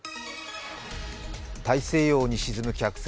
大西洋に沈む客船